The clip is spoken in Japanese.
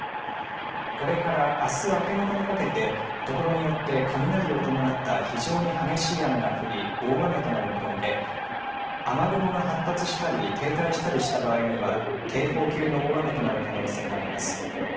これから、あす明け方にかけて所によって雷を伴った非常に激しい雨が降り大雨となる見込みで雨雲が発達したり停滞したりした場合には警報級の大雨となる可能性があります。